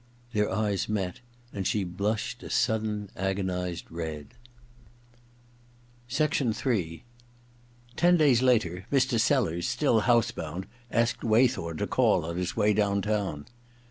Their eyes met, and she blushed a sudden agonized red. Ill Ten days later, Mr. Sellers, still house bound, asked Way thorn to call on his way down town.